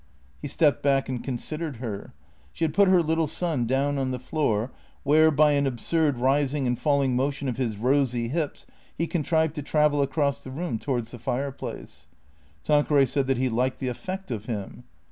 He stepped back and considered her. She had put her little son down on the floor, where, by an absurd rising and falling motion of his rosy hips, he contrived to travel across the room towards the fireplace. Tanqueray said that he liked the effect of him.